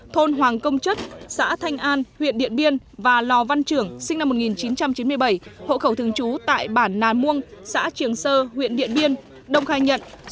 thôn hoàng công chất xã thanh an huyện điện biên và lò văn trưởng sinh năm một nghìn chín trăm chín mươi bảy hộ khẩu thương chú tại bản nàn muông xã triềng sơ huyện điện biên